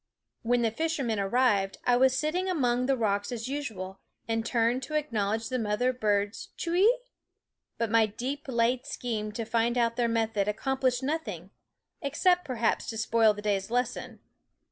When the fishermen arrived I was sitting among the rocks as usual, and turned to acknowledge the mother bird's Ctiwee? But my deep laid scheme to find out their method accom plished nothing ; except, perhaps, to spoil the day's lesson.